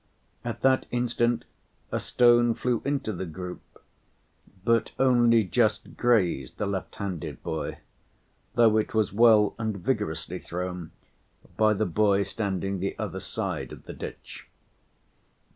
At that instant a stone flew into the group, but only just grazed the left‐handed boy, though it was well and vigorously thrown by the boy standing the other side of the ditch.